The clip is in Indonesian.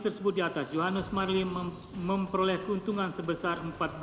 tersebut di atas johannes marlim memperoleh keuntungan sebesar